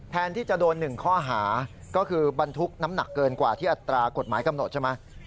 แทนที่จะโดน๑ข้อหาก็คือบรรทุกน้ำหนักเกินกว่าที่อัตรากฎหมายกำหนดใช่ไหม